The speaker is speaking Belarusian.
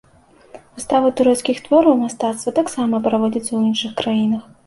Выставы турэцкіх твораў мастацтва таксама праводзяцца ў іншых краінах.